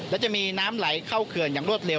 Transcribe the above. และจะมีน้ำไหลเข้าเขื่อนอย่างรวดเร็